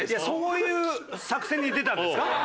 そういう作戦に出たんですか？